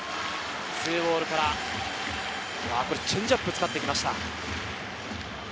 ２ボールからチェンジアップを使ってきました。